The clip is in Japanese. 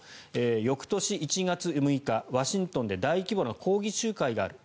翌年１月６日ワシントンで大規模な抗議集会がある。